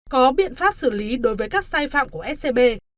có biện pháp xử lý đối với các sai phạm của scb